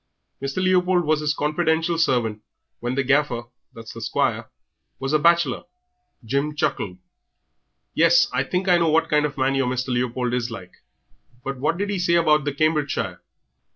Mr. Leopold was his confidential servant when the Gaffer that's the squire was a bachelor." Jim chuckled. "Yes, I think I know what kind of man your Mr. Leopold is like. But what did 'e say about the Cambridgeshire?"